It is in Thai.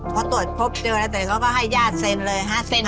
เขาตรวจพบเจอแล้วแต่เขาก็ให้ญาติเซ็นเลย